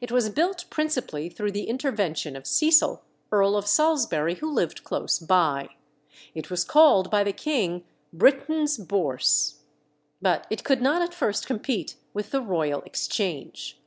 It was built principally through the intervention of Cecil, Earl of Salisbury, who lived close by. It was called by the king "Britain's Bourse," but it could not at first compete with the Royal Exchange.